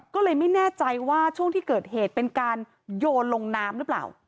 ก็เลยไม่แน่ใจว่าช่วงที่เกิดเหตุเป็นการโยนลงน้ำหรือเปล่า